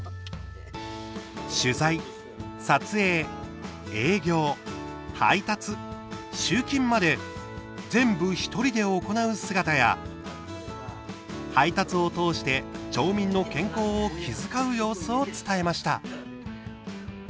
取材、撮影営業、配達、集金まで全部１人で行う姿や配達を通して、町民の健康を気遣う様子を伝えました。